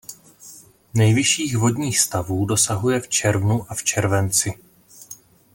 Nejvyšších vodních stavů dosahuje v červnu a v červenci.